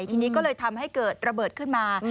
ทีนี้ก็เลยทำให้เกิดระเบิดขึ้นมา